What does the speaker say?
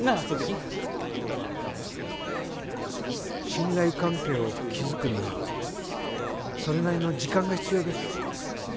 鈴木信頼関係を築くにはそれなりの時間が必要です